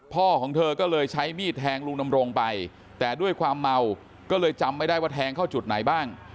ของเธอก็เลยใช้มีดแทงลุงดำรงไปแต่ด้วยความเมาก็เลยจำไม่ได้ว่าแทงเข้าจุดไหนบ้าง